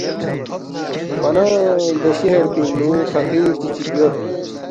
فلان دے شہر پِنگ نُو فقیر چی چِک یود